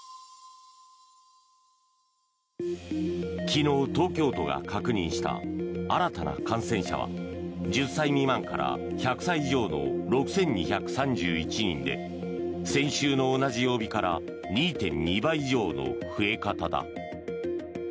昨日、東京都が確認した新たな感染者は１０歳未満から１００歳以上の６２３１人で先週の同じ曜日から２．２倍以上の増え方だ。